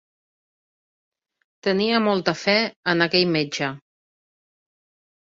Tenia molta fe en aquell metge.